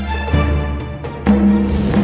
jangan lupa joko tingkir